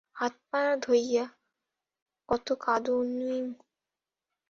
হাত পা ধইর্যা কত কাঁদনু।